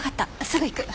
すぐ行く。